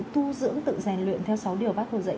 tu dưỡng tự rèn luyện theo sáu điều bác hồ dạy